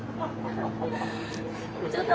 ちょっと！